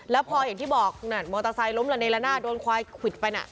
แล้วพออย่างที่บอกมอเตอร์ไซค์ล้มระเนละหน้าโดนควายควิดไปน่ะ